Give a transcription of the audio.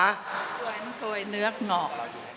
บรรโกยเนื้อหนอก